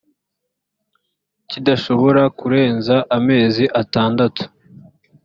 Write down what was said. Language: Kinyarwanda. kidashobora kurenza amezi atandatu